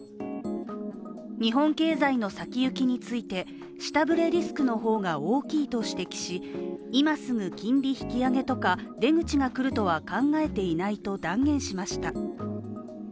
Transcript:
日本経済の先行きについて下振れリスクの方が大きいと指摘し、今すぐ金利引き上げとか、出口が来るとは考えていないと断言しました。